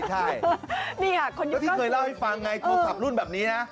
ใช่ก็ที่เคยเล่าให้ฟังไงโทรศัพท์รุ่นแบบนี้นะ